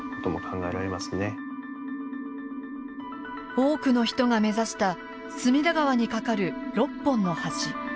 多くの人が目指した隅田川に架かる６本の橋。